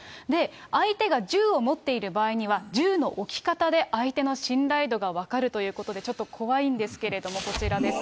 相手が銃を持っている場合には、銃の置き方で相手の信頼度が分かるということで、ちょっと怖いんですけれども、こちらです。